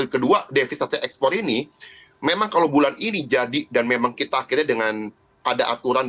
kedua devisasi ekspor ini memang kalau bulan ini jadi dan memang kita akhirnya dengan ada aturan